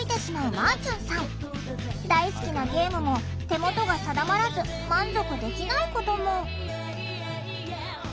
大好きなゲームも手元が定まらず満足できないことも。